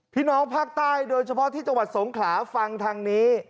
พี่น้องภาคใต้โดยเฉพาะที่จังหวัดสงขลาฟังทางนี้